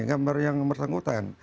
gambar yang bersangkutan